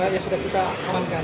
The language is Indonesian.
yang sudah kita alankan